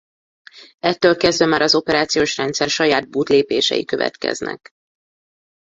Ettől kezdve már az operációs rendszer saját boot lépései következnek.